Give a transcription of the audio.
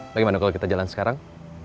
bagaimana kalau kita jalan sekarang